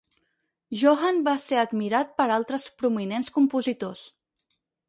Johann va ser admirat per altres prominents compositors.